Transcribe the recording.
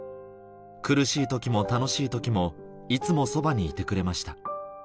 苦しいときも楽しいときも、いつもそばにいてくれました。